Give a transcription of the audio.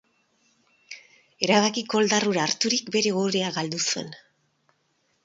Erabaki koldar hura harturik, bere ohorea galdu zuen.